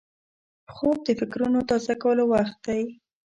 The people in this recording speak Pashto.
خوب د فکرونو تازه کولو وخت دی